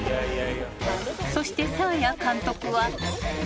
［そしてサーヤ監督は］